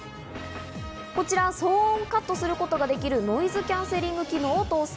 こちら騒音をカットすることができるノイズキャンセリング機能を搭載。